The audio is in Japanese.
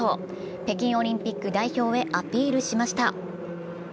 北京オリンピック代表へアピールしました。